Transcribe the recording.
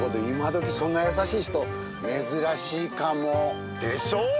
今どきそんな優しい人珍しいかも。でしょ？